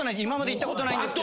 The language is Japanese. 今まで言ったことない。